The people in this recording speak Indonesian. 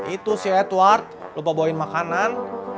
itu si edward lupa bawain makanan